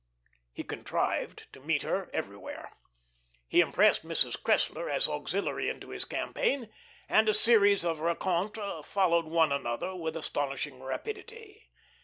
He contrived to meet her everywhere. He impressed Mrs. Cressler as auxiliary into his campaign, and a series of rencontres followed one another with astonishing rapidity.